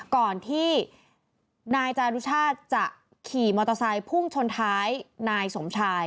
ก่อนที่นายจารุชาติจะขี่มอเตอร์ไซค์พุ่งชนท้ายนายสมชาย